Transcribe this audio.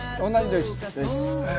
同い年です。